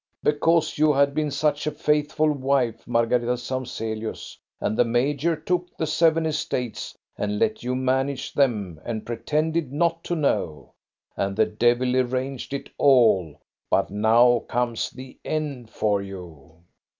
" Because you had been such a faithful wife, Mar gareta Samzelius. And the major took the seven estates and let you manage them and pretended not to know. And the devil arranged it all; but now comes the end for you.